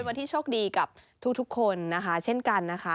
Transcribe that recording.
วันที่โชคดีกับทุกคนนะคะเช่นกันนะคะ